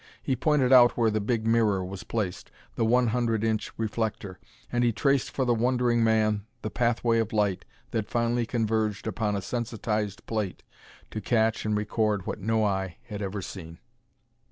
He pointed out where the big mirror was placed the one hundred inch reflector and he traced for the wondering man the pathway of light that finally converged upon a sensitized plate to catch and record what no eye had ever seen.